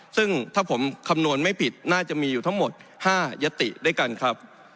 ซึ่งถ้าผมคำนวณไม่ผิดน่าจะมีอยู่ทั้งหมด๕ยติด้วยกันครับ